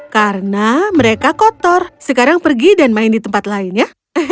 karena mereka kotor sekarang pergi dan main di tempat lain ya